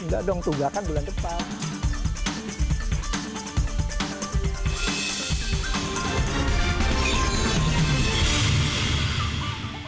enggak dong tunggakan bulan depan